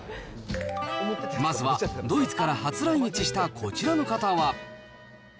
まずはドイツから初来日したこちらの方は。